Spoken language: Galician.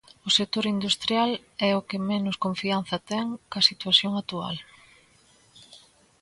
O sector industrial é o que menos confianza ten coa situación actual.